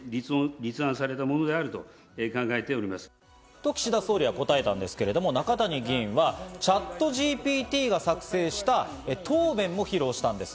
と、岸田総理は答えたんですけど、中谷議員はＣｈａｔＧＰＴが作成した、総理の答弁も披露したんです。